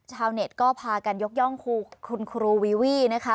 ชาวเน็ตก็พากันยกย่องคุณครูวีวี่นะคะ